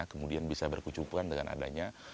kekucikan kekucikan dengan adanya